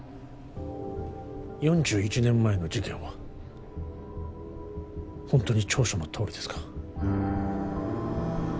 ４１年前の事件はホントに調書のとおりですか？